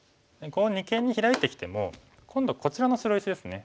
二間にヒラいてきても今度こちらの白石ですね。